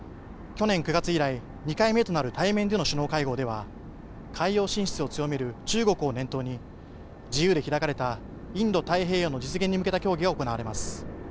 去年９月以来、２回目となる対面での首脳会合では、海洋進出を強める中国を念頭に、自由で開かれたインド太平洋の実現に向けた協議が行われます。